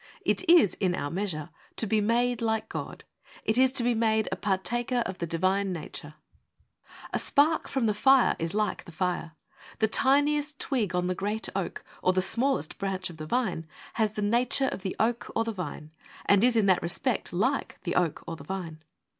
It is, in our measure, to be made like God. It is to be made a ' partaker of the Divine nature ' (2 Peter i. 4). A spark from the fire is like the fire. The tiniest twig" on the giant oak, or the smallest branch of the vine, has the nature of the oak or the vine, and is in that respect like the oak or the vine.